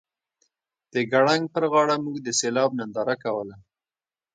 د ګړنګ په غاړه موږ د سیلاب ننداره کوله